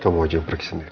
kamu aja pergi sendiri